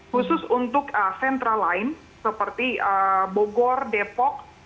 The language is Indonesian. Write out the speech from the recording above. khusus untuk sentra lain seperti bogor depok